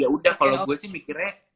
yaudah kalau gue sih mikirnya